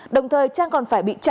đồng thời trang còn phải bị trả